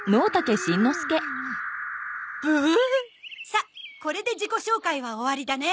さあこれで自己紹介は終わりだね。